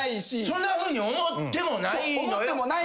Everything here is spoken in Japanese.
そんなふうに思ってもないのよ。